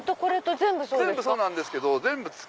全部そうなんです。